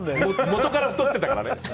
もとから太ってたからね。